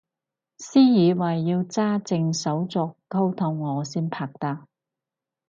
私以為要揸正手續溝到我先拍得